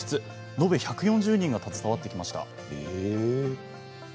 延べ１４０人が携わってきました。